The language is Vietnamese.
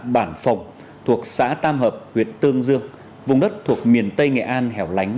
bản phòng thuộc xã tam hợp huyện tương dương tỉnh nghệ an